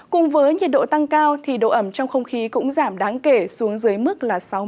cùng với nhiệt độ tăng cao độ ẩm trong không khí cũng giảm đáng kể xuống dưới mức sáu mươi năm